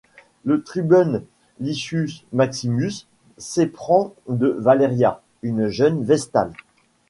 Le tribun Lucius Maximus, s'éprend de Valeria, une jeune vestale.